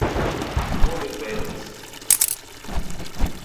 Ko vien vēlies.